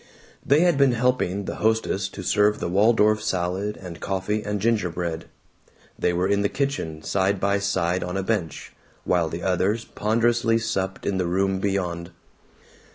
They had been helping the hostess to serve the Waldorf salad and coffee and gingerbread. They were in the kitchen, side by side on a bench, while the others ponderously supped in the room beyond.